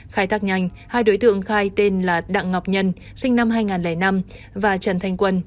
khai thác nhanh hai đối tượng khai tên là đặng ngọc nhân sinh năm hai nghìn năm và trần thanh quân